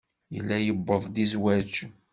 Yella yuweḍ-d i zzwaj.